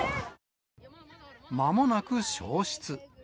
まもなく消失。